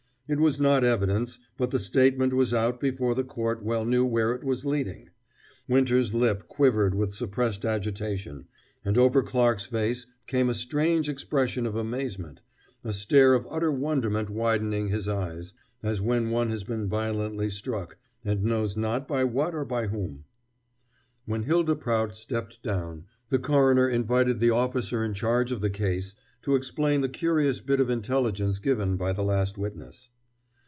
It was not evidence, but the statement was out before the court well knew where it was leading. Winter's lip quivered with suppressed agitation, and over Clarke's face came a strange expression of amazement, a stare of utter wonderment widening his eyes, as when one has been violently struck, and knows not by what or whom. When Hylda Prout stepped down, the coroner invited the officer in charge of the case to explain the curious bit of intelligence given by the last witness.